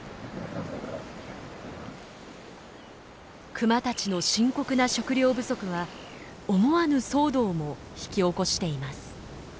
クマたちの深刻な食料不足は思わぬ騒動も引き起こしています。